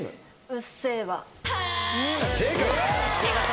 『うっせぇわ』正解！